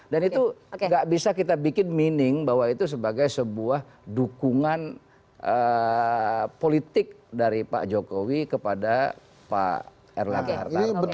dan itu gak bisa kita bikin meaning bahwa itu sebagai sebuah dukungan politik dari pak jokowi kepada pak erlangga hartarto